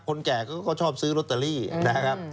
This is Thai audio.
แก่ก็ชอบซื้อลอตเตอรี่นะครับ